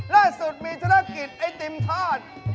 ล่าสุดมีธุรกิจไอติมทอด